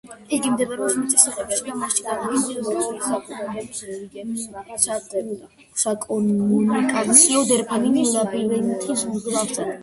იგი მდებარეობს მიწის სიღრმეში და მასში განლაგებულია მრავალი საკომუნიკაციო დერეფანი ლაბირინთების მსგავსად.